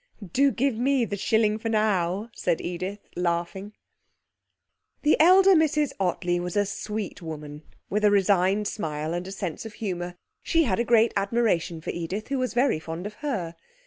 'Do give me the shilling for him now,' said Edith laughing. The elder Mrs Ottley was a sweet woman, with a resigned smile and a sense of humour. She had a great admiration for Edith, who was very fond of her.